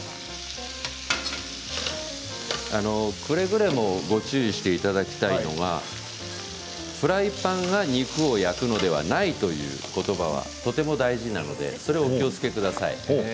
くれぐれもご注意していただきたいのはフライパンが肉を焼くのではないという言葉がとても大事なのでそれをお気をつけください。